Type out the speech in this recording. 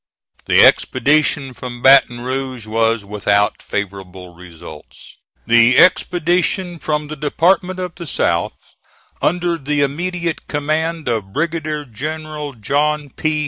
The expedition from Baton Rouge was without favorable results. The expedition from the Department of the South, under the immediate command of Brigadier General John P.